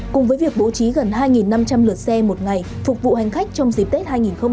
cùng với việc bố trí gần hai năm trăm linh lượt xe một ngày phục vụ hành khách trong dịp tết hai nghìn hai mươi bốn